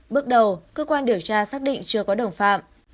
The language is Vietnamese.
bước đầu cơ quan điều tra xác định chưa có đồng phạm